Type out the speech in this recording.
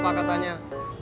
masih dibaca sama emak